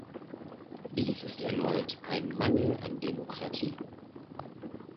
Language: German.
Dies ist erneut ein Mangel an Demokratie.